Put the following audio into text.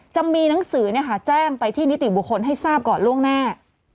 จะมีหนังสือแจ้งไปที่นิติบุคคลให้ทราบก่อนล่วงหน้า